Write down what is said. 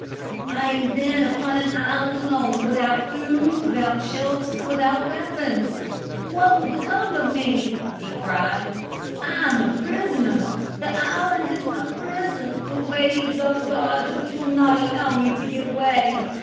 "I am then upon an island alone, without food, without shelter, without weapons! What will become of me?" he cried. "I am a prisoner. The island is my prison, the waves are the guards which will not allow me to get away.